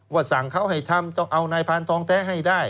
สั่งเขาให้ทำต้องเอานายพานทองแท้ให้ได้